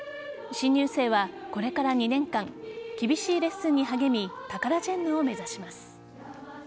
新入生は、これから２年間厳しいレッスンに励みタカラジェンヌを目指します。